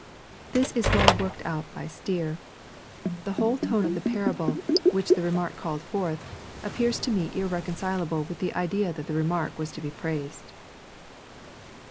This is well worked out by Stier. The whole tone of the parable which the remark called forth, ap pears to me irreconcileable with the idea that the remark was to be praised.